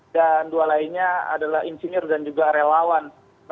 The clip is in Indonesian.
dan dua lainnya adalah insinir dan juga relawan